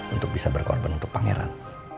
untuk bisa berkorban untuk pangeran